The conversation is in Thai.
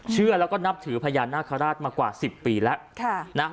เชื่อแล้วก็นับถือพญานาคาราชมากว่าสิบปีแล้วค่ะนะฮะ